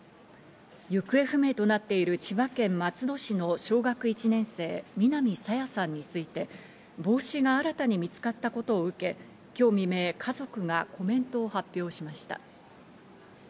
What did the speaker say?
行方不明となっている千葉県松戸市の小学１年生、南朝芽さんについて、帽子が新たに見つかったことを受け、今日未明、家族がコメントを発表しました。